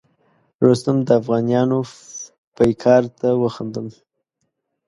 رستم د افغانیانو پیکار ته وخندل.